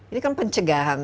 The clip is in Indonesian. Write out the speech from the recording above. ini kan pencegahan